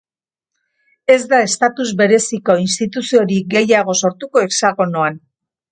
Ez da estatus bereziko instituziorik gehiago sortuko Hexagonoan.